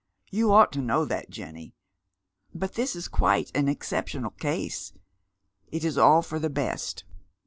You ought to know that, Jenny. But this is quite an exceptional case. It is all for the best.